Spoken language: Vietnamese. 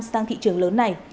sang thị trường lớn này